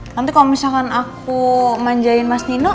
nanti kalau misalkan aku manjain mas dino